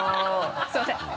すみません。